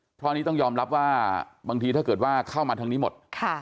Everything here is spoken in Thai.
เพราะอันนี้ต้องยอมรับว่าบางทีถ้าเกิดว่าเข้ามาทางนี้หมด